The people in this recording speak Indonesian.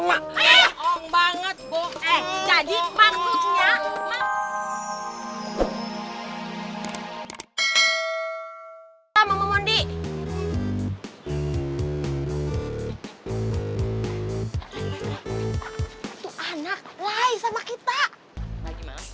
lagi malam tuh